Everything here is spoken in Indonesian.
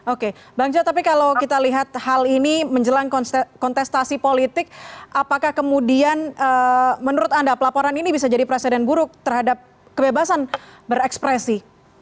oke bang jo tapi kalau kita lihat hal ini menjelang kontestasi politik apakah kemudian menurut anda pelaporan ini bisa jadi presiden buruk terhadap kebebasan berekspresi